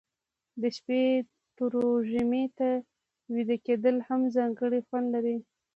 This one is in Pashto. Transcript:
د شپې تروږمي ته ویده کېدل هم ځانګړی خوند لري.